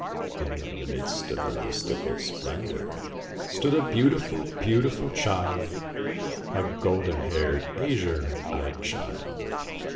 In the midst of the mystical splendor, Stood a beautiful, beautiful child A golden haired, azure eyed child.